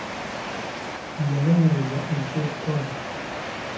Yalowooza eky'okukola.